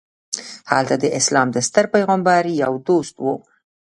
هلته د اسلام د ستر پیغمبر یو دوست و.